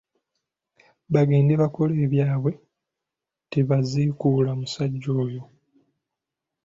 Bagende bakole ebyabwe tebaziikula musajja oyo.